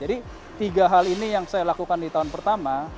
jadi tiga hal ini yang saya lakukan di tahun pertama